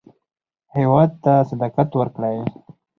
هېواد ته صداقت ورکړئ